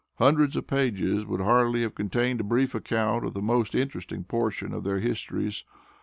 Hundreds of pages would hardly have contained a brief account of the most interesting portion of their histories.